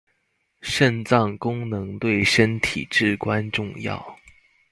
腎臟功能對身體至關重要